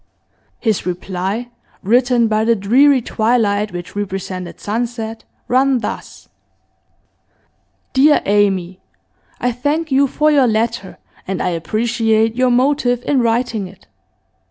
His reply, written by the dreary twilight which represented sunset, ran thus. 'Dear Amy, I thank you for your letter, and I appreciate your motive in writing it.